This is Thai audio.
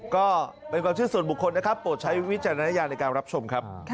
ก็เป็นความเชื่อส่วนบุคคลนะครับโปรดใช้วิจารณญาณในการรับชมครับ